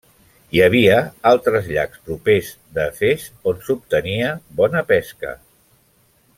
Hi havia altres llacs propers d'Efes on s'obtenia bona pesca.